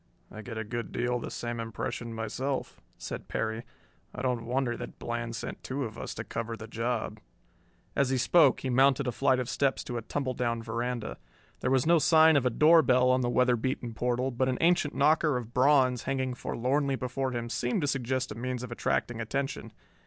"I get a good deal the same impression myself," said Perry. "I don't wonder that Bland sent two of us to cover the job." As he spoke he mounted a flight of steps to a tumbledown veranda. There was no sign of a door bell on the weather beaten portal, but an ancient knocker of bronze hanging forlornly before him seemed to suggest a means of attracting attention.